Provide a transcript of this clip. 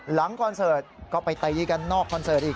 คอนเสิร์ตก็ไปตีกันนอกคอนเสิร์ตอีก